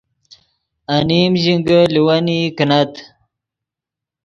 انیم ژینگے لیوینئی کینت